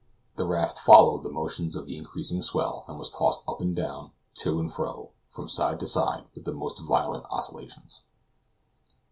The raft followed the motions of the increasing swell, and was tossed up and down, to and fro, and from side to side with the most violent oscillations.